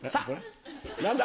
何だ？